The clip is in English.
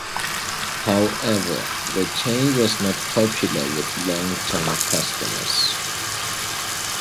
However, the change was not popular with long-time customers.